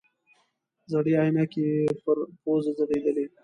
زړې عینکې یې پر پوزه ځړېدلې.